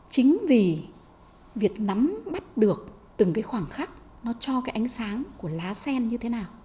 chính vì việc nắm bắt được từng cái khoảng khắc nó cho cái ánh sáng của lá sen như thế nào